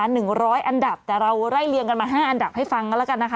หนึ่งร้อยอันดับแต่เราไล่เลี่ยงกันมาห้าอันดับให้ฟังกันแล้วกันนะคะ